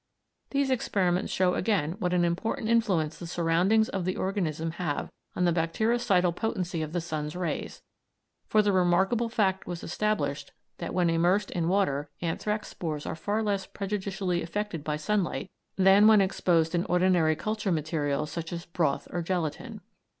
These experiments show again what an important influence the surroundings of the organism have on the bactericidal potency of the sun's rays, for the remarkable fact was established that when immersed in water anthrax spores are far less prejudicially affected by sunlight than when exposed in ordinary culture materials such as broth or gelatine.